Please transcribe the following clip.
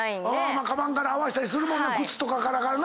かばんから合わせたりする靴とかからな。